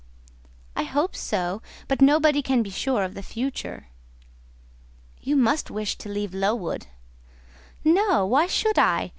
"I hope so; but nobody can be sure of the future." "You must wish to leave Lowood?" "No! why should I?